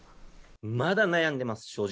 まだ悩んでます、正直。